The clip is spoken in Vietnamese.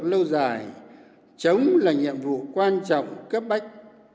lâu dài chống là nhiệm vụ quan trọng cấp bách